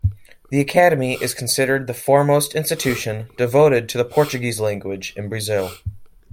The Academy is considered the foremost institution devoted to the Portuguese language in Brazil.